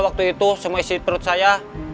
waktu itu semua isi perut saya